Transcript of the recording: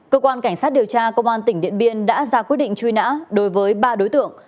cơ quan cảnh sát điều tra công an tỉnh điện biên đã ra quyết định truy nã đối với ba đối tượng